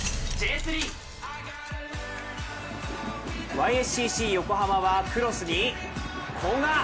Ｙ．Ｓ．Ｃ．Ｃ．横浜はクロスに古賀。